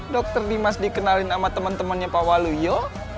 dokter dimas dikenalin sama teman temannya pak waluyo